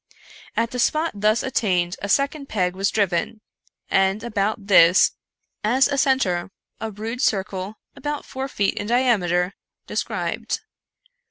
At the spot thus attained a second peg was driven, and about this, as a center, a rude circle, about four feet in diameter, described.